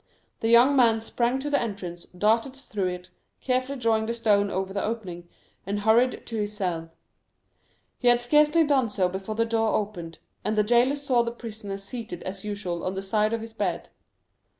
The young man sprang to the entrance, darted through it, carefully drawing the stone over the opening, and hurried to his cell. He had scarcely done so before the door opened, and the jailer saw the prisoner seated as usual on the side of his bed.